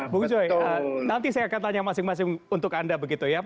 bung joy nanti saya akan tanya masing masing untuk anda begitu ya